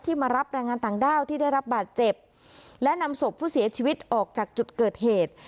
มารับแรงงานต่างด้าวที่ได้รับบาดเจ็บและนำศพผู้เสียชีวิตออกจากจุดเกิดเหตุ